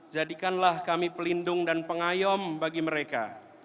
jadikanlah kami pelindung dan pengayom bagi mereka